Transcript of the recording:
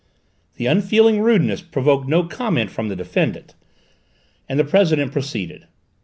The unfeeling rudeness provoked no comment from the defendant, and the President proceeded.